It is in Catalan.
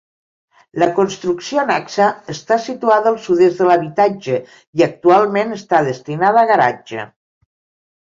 La construcció annexa està situada al sud-est de l'habitatge i actualment està destinada a garatge.